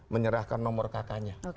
menyerahkan nomor kakaknya